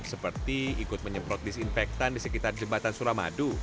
seperti ikut menyemprot disinfektan di sekitar jembatan suramadu